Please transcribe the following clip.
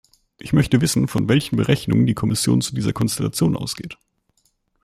Ich möchte wissen, von welchen Berechnungen die Kommission zu dieser Konstellation ausgeht.